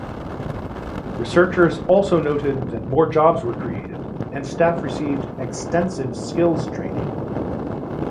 Researchers also noted that more jobs were created and staff received "extensive skills training".